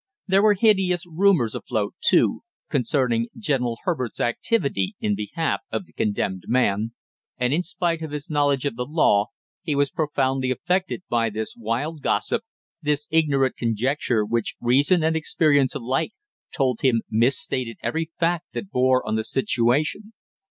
There were hideous rumors afloat, too, concerning General Herbert's activity in behalf of the condemned man, and in spite of his knowledge of the law, he was profoundly affected by this wild gossip, this ignorant conjecture, which reason and experience alike told him misstated every fact that bore on the situation.